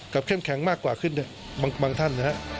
กับเข้มแข็งมากกว่าขึ้นบางท่าน